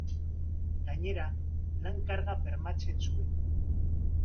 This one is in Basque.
Gainera, lan karga bermatzen zuen.